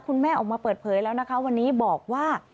คุณแม่ออกมาเปิดเผยแล้วนะคะวันนี้บอกว่า